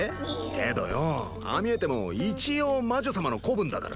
けどよぉああ見えても一応魔女様の子分だからなあ。